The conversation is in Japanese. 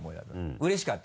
うれしかった？